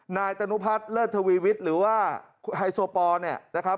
นายตนุพัฒน์เลิศทวีวิทย์หรือว่าไฮโซปอลเนี่ยนะครับ